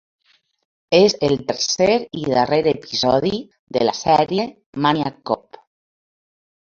És el tercer i darrer episodi de la sèrie "Maniac Cop".